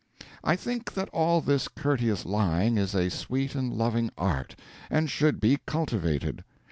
I think that all this courteous lying is a sweet and loving art, and should be cultivated.